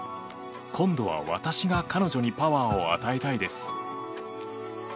今度は私が彼女にパワーを与えたいです！